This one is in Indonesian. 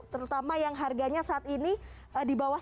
terutama yang harganya saat ini di bawah rp seratus